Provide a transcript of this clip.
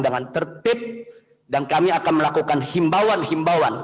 dengan tertib dan kami akan melakukan himbauan himbauan